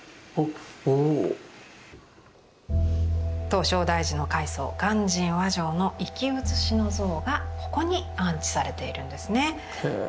唐招提寺の開祖鑑真和上の生き写しの像がここに安置されているんですね。